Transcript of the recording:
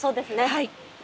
はい。